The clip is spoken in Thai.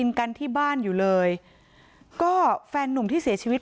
มันมีแม่ด้วยมันมีแม่ด้วย